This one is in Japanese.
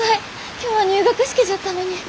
今日は入学式じゃったのに。